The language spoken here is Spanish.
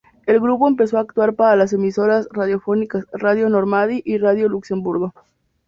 El grupo empezó a actuar para las emisoras radiofónicas Radio Normandie y Radio Luxemburgo.